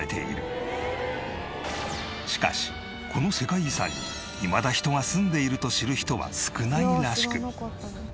しかしこの世界遺産にいまだ人が住んでいると知る人は少ないらしく。